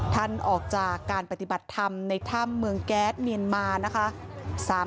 ท่านออกจากการปฏิบัติธรรมในถ้ำเมืองแก๊สเมียนมานะคะ